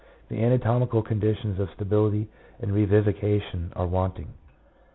The anatomical conditions of stability and revivification are wanting.